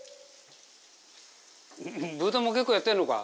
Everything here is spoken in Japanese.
ブーたんも結構やってるのか？